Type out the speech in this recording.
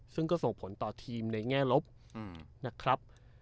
ซึ่งก็ส่งผลต่อทีมในแง่ลบนะครับ